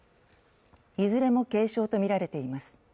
いずれも軽傷とみられています。